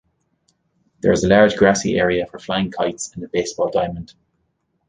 There is a large grassy area for flying kites and a baseball diamond.